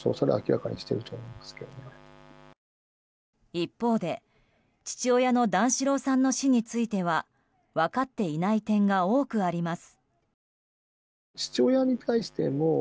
一方で父親の段四郎さんの死については分かっていない点が多くあります。